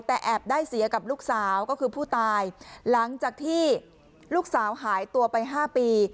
แต่แอบได้เสียกับลูกสาวก็คือผู้ตายหลังจากที่ลูกสาวหายตัวไปห้าปี